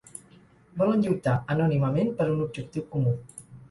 Volen lluitar anònimament per un objectiu comú.